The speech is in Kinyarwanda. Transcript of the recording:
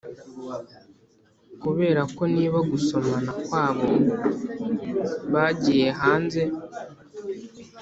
kuberako niba gusomana kwabo bagiye hanze,